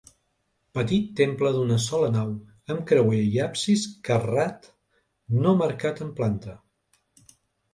Petit temple d'una sola nau amb creuer i absis carrat no marcat en planta.